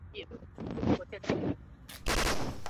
泥栖寄居蟹为寄居蟹科寄居蟹属下的一个种。